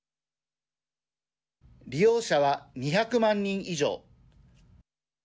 利用者は２００万人以上。